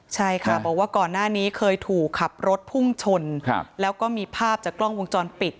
ใช่ค่ะบอกว่าก่อนหน้านี้เคยถูกขับรถพุ่งชนแล้วก็มีภาพจากกล้องวงจรปิด